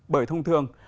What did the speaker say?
bởi thông thường